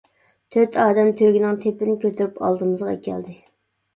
تۆت ئادەم تۆگىنىڭ تېپىنى كۆتۈرۈپ ئالدىمىزغا ئەكەلدى.